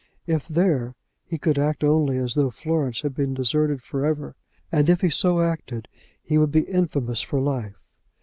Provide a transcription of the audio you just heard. If there, he could act only as though Florence had been deserted for ever; and if he so acted he would be infamous for life.